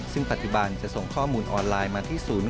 ซึ่งปัจจุบันจะส่งข้อมูลออนไลน์มาที่ศูนย์